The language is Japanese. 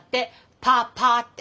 「パパ」って。